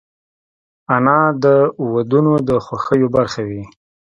انا د ودونو د خوښیو برخه وي